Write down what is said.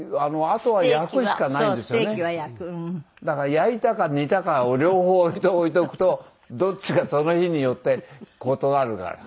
だから焼いたか煮たかを両方置いておくとどっちかその日によって断るから。